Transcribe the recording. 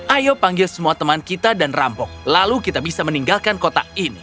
ayo panggil semua teman kita dan rampok lalu kita bisa meninggalkan kota ini